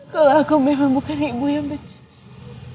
kalau aku memang bukan ibu yang